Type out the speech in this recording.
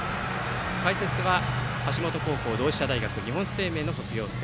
解説は橋本高校同志社大学、日本生命の卒業生。